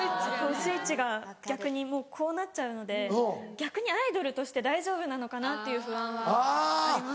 スイッチが逆にもうこうなっちゃうので逆にアイドルとして大丈夫なのかな？っていう不安はあります。